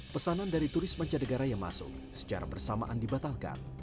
pesanan dari turis mancanegara yang masuk secara bersamaan dibatalkan